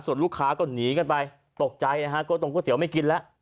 ส่วนลูกค้าก็หนีกันไปตกใจนะฮะก็ตรงก๋วเตี๋ไม่กินแล้ว